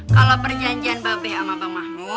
kalo perjanjian babe sama bang mahmud